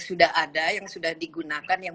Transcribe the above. sudah ada yang sudah digunakan yang